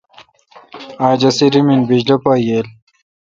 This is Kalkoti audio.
اج اسی ریمن بجلی پا ییل۔